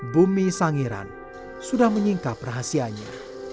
bumi sangiran sudah menyingkap rahasianya